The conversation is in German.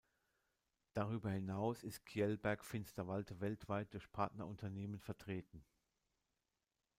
Darüber hinaus ist Kjellberg Finsterwalde weltweit durch Partnerunternehmen vertreten.